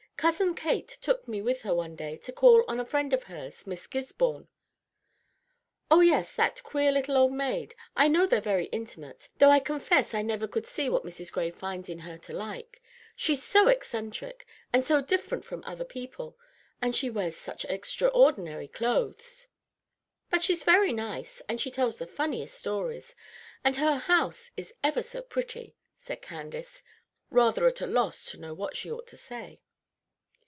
Cousin Kate took me with her one day to call on a friend of hers, Miss Gisborne." "Oh, yes, that queer old maid. I know they're very intimate, though I confess I never could see what Mrs. Gray finds in her to like. She's so eccentric, and so different from other people, and she wears such extraordinary clothes." "But she's very nice, and she tells the funniest stories, and her house is ever so pretty," said Candace, rather at a loss to know what she ought to say.